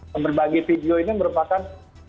dan berbagi video ini merupakan